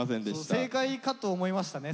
正解かと思いましたね